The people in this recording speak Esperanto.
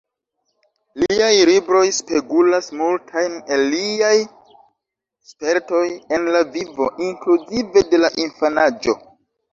Liaj libroj spegulas multajn el liaj spertoj en la vivo, inkluzive de la infanaĝo.